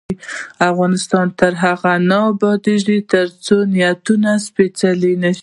افغانستان تر هغو نه ابادیږي، ترڅو نیتونه سپیڅلي نشي.